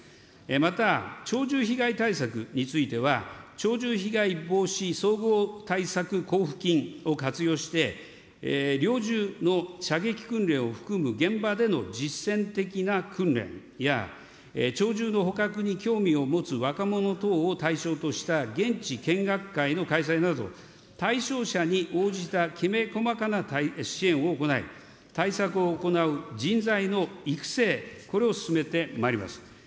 また、鳥獣被害対策については、鳥獣被害防止総合対策交付金を活用して、猟銃の射撃訓練を含む、現場での実践的な訓練や、鳥獣の捕獲に興味を持つ若者等を対象とした現地見学会の開催など、対象者に応じた、きめ細かな支援を行い、対策を行う人材の育成、これを進めてまいります。